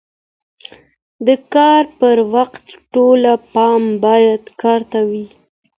د کار پر وخت ټول پام باید کار ته وي.